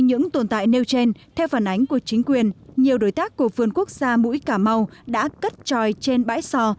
những tồn tại nêu trên theo phản ánh của chính quyền nhiều đối tác của vườn quốc gia mũi cà mau đã cất tròi trên bãi sò